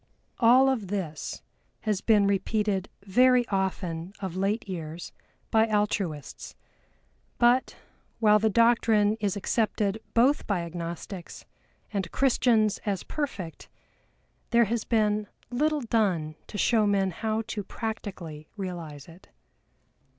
All of this has been repeated very often of late years by Altruists; but, while the doctrine is accepted both by Agnostics and Christians as perfect, there has been little done to show men how to practically realize it.